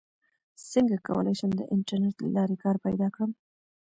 څنګه کولی شم د انټرنیټ له لارې کار پیدا کړم